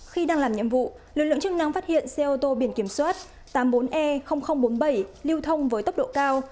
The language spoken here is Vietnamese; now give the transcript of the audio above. khi đang làm nhiệm vụ lực lượng chức năng phát hiện xe ô tô biển kiểm soát tám mươi bốn e bốn mươi bảy lưu thông với tốc độ cao